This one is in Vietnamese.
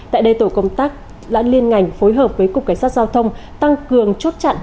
tại đây tổ công tác đã liên ngành phối hợp với cục cảnh sát giao thông tăng cường chốt chặn